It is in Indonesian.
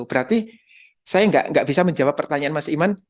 berarti saya nggak bisa menjawab pertanyaan mas iman